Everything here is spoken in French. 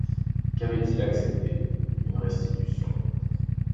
Qu’avait-il accepté? une restitution.